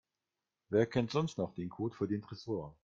Wer kennt sonst noch den Code für den Tresor?